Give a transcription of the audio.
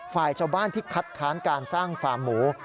ฝ่ายชาวบ้านที่คัดค้านการสร้างฟาร์มหมู